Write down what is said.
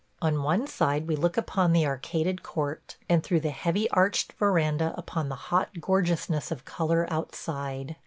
On one side we look upon the arcaded court, and through the heavy arched veranda upon the hot gorgeousness of color outside.